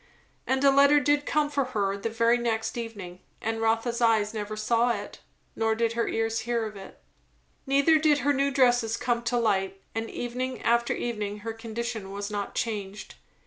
And a letter did come for her the very next evening; and Rotha's eyes never saw it, nor did her ears hear of it. Neither did her new dresses come to light; and evening after evening her condition was not changed.